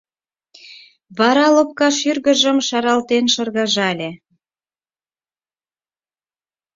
Вара лопка шӱргыжым шаралтен шыргыжале.